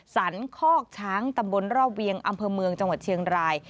สรรคอกช้างตำบลรอบเวียงอำเภอเมืองจังหวัดเชียงราย